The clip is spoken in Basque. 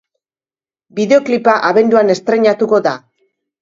Bideoklipa abenduan estreinatuko da.